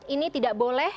ini tidak boleh